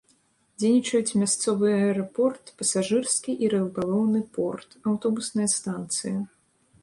Дзейнічаюць мясцовы аэрапорт, пасажырскі і рыбалоўны порт, аўтобусная станцыя.